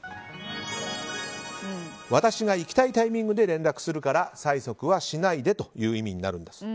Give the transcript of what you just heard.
私が行きたいタイミングで連絡するから催促はしないでという意味になるんです。